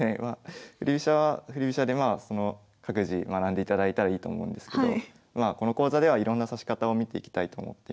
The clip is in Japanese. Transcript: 振り飛車は振り飛車で各自学んでいただいたらいいと思うんですけどこの講座ではいろんな指し方を見ていきたいと思っていますので。